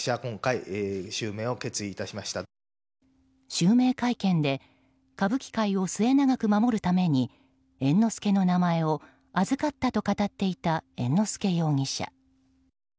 襲名会見で歌舞伎界を末永く守るために猿之助の名前を預かったと語っていた猿之助容疑者。